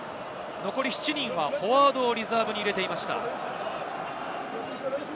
残り７人はフォワードをリザーブに入れていました。